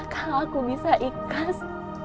kalau aku bisa ikat